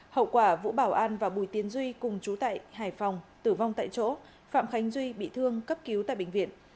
hậu quả vũ bảo an và bùi tiến duy cùng chú tại hải phòng tử vong tại chỗ phạm khánh duy bị thương cấp cứu tại bệnh viện